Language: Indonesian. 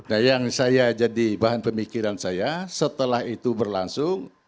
nah yang saya jadi bahan pemikiran saya setelah itu berlangsung